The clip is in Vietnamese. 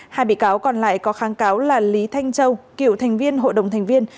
hai bị cáo còn lại có kháng cáo là lý thanh châu kiểu thành viên hội đồng thành viên